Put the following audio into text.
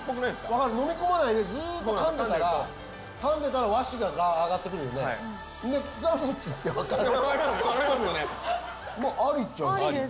分かる飲み込まないでずっと噛んでたら噛んでたら和紙があがってくるよねで草餅って分かる分かります